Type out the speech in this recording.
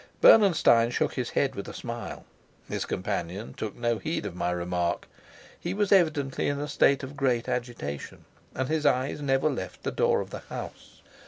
Bernenstein shook his head with a smile. His companion took no heed of my remark; he was evidently in a state of great agitation, and his eyes never left the door of the house.